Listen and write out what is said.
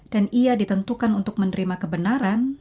dan ia ditentukan untuk menerima kebenaran